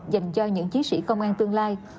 dành cho những chiến sĩ công an tương lai